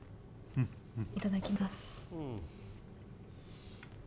いただきます